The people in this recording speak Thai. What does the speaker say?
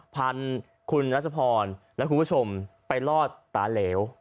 พันคุณรัชพรและคุณผู้ชมไปลอดตาเหลว